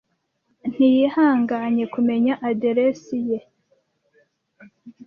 Ntiyihanganye kumenya aderesi ye.